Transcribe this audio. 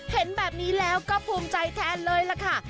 เห็นแบบนี้แล้วก็ภูมิใจแทนเลยล่ะค่ะ